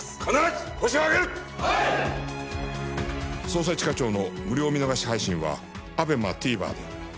『捜査一課長』の無料見逃し配信はＡＢＥＭＡＴＶｅｒで。